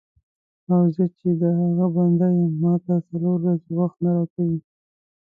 او زه چې د هغه بنده یم ماته څلور ورځې وخت نه راکوې.